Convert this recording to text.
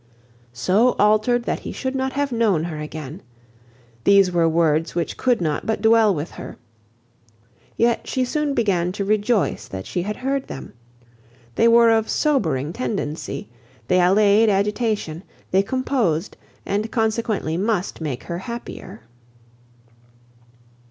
"So altered that he should not have known her again!" These were words which could not but dwell with her. Yet she soon began to rejoice that she had heard them. They were of sobering tendency; they allayed agitation; they composed, and consequently must make her happier.